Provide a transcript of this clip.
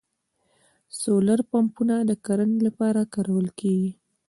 سولر پمپونه د کرنې لپاره کارول کیږي